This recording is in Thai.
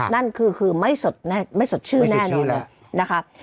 นั่นคือไม่สดชื่อแน่นอนเลย